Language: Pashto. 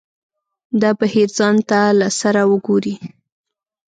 دا بهیر ځان ته له سره وګوري.